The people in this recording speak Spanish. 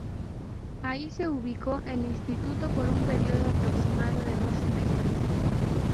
Ahí se ubicó el Instituto por un periodo aproximado de dos semestres.